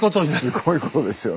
すごいことですよね。